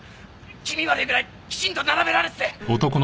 気味悪いぐらいきちんと並べられてて。